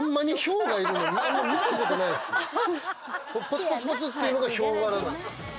ポツポツポツっていうのがヒョウ柄なんです。